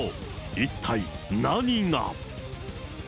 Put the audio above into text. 一体何が。